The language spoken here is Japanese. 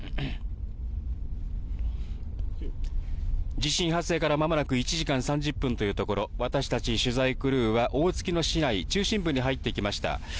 地震発生からまもなく１時間３０分というところ、私たち、取材クルーは大月の市内中心部に入ってきました。